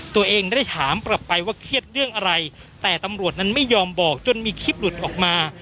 ตัวเองได้ถามกลับไปว่าเครียดเรื่องอะไรแต่ตำรวจนั้นไม่ยอมบอกจนมีคลิปหลุดออกมา